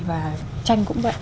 và tranh cũng vậy